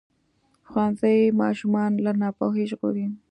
ښوونځی ماشومان له ناپوهۍ ژغوري.